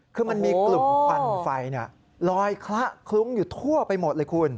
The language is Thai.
คือมันมีกลุ่มควันไฟลอยคละคลุ้งอยู่ทั่วไปหมดเลยคุณ